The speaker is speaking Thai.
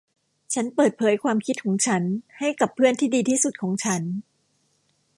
ฉันเปิดเผยความคิดของฉันให้กับเพื่อนที่ดีที่สุดของฉัน